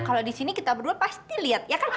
kalau di sini kita berdua pasti lihat ya kan